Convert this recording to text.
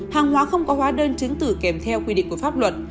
hàng hóa không có hóa đơn chứng tử kèm theo quy định của pháp luật